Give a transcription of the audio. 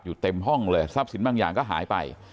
เต็มห้องเลยทรัพย์สินบางอย่างก็หายไป